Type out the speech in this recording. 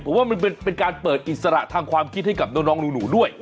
ผมว่ามันเป็นการเปิดอิสระทางความคิดให้กับน้องหนูด้วย